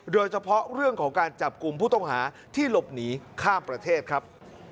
โดยเฉพาะเรื่องของการจับกลุ่มผู้ต้องหาที่หลบหนีข้ามประเทศครับ